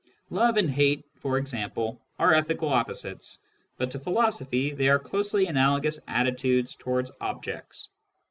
Love and hate, for example, are ethical opposites, but to philosophy they are closely analogous attitudes towards objects.